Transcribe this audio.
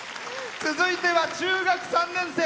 続いては中学３年生。